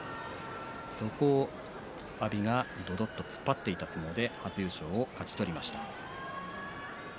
そこを阿炎が突っ張っていった相撲で初優勝を勝ち取りました。